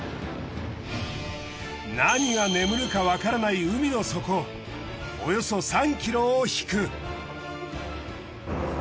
何が眠るかわからない海の底およそ３ｋｍを引く。